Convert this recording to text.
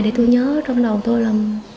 để tôi nhớ trong đầu tôi là